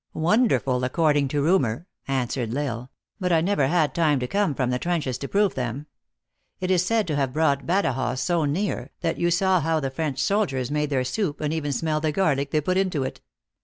" Wonderful, according to rumor," answered L Isle, " But I never had time to come from the trenches to prove them. It is said to have brought Badajoz so near, that you saw how the French soldiers made their soup, and even smell the garlic they put into it.